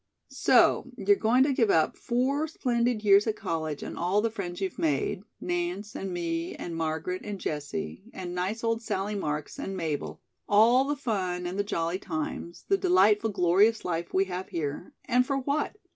"So you're going to give up four splendid years at college and all the friends you've made Nance and me and Margaret and Jessie, and nice old Sallie Marks and Mabel, all the fun and the jolly times, the delightful, glorious life we have here and for what?